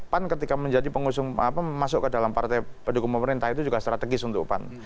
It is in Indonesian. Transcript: pan ketika menjadi pengusung masuk ke dalam partai pendukung pemerintah itu juga strategis untuk pan